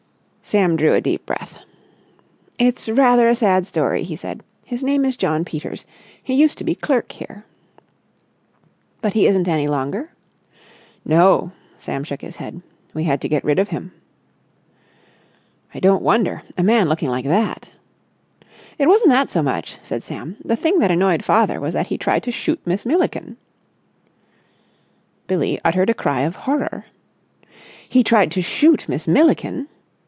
Sam drew a deep breath. "It's rather a sad story," he said. "His name is John Peters. He used to be clerk here." "But he isn't any longer?" "No." Sam shook his head. "We had to get rid of him." "I don't wonder. A man looking like that...." "It wasn't that so much," said Sam. "The thing that annoyed father was that he tried to shoot Miss Milliken." Billie uttered a cry of horror. "He tried to shoot Miss Milliken!"